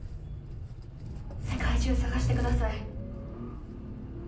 世界中探してください。